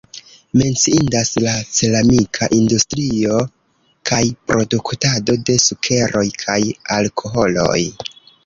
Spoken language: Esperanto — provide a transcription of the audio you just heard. Menciindas la ceramika industrio kaj produktado de sukeroj kaj alkoholoj.